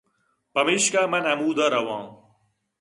پمیشا من ہمود ءَ رواں